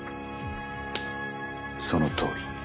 そのとおり。